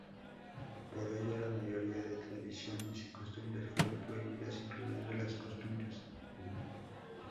Por ello la mayoría de tradiciones y costumbres fueron prohibidas, incluyendo las costumbres Hui.